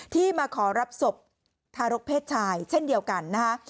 ที่มาขอรับศพทารกเพศชายเช่นเดียวกันนะคะ